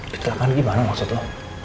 kecelakaan gimana maksud lo